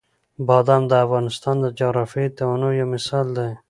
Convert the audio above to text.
بادام د افغانستان د جغرافیوي تنوع یو مثال دی.